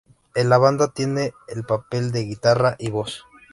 En la banda tiene el papel de guitarra y voz.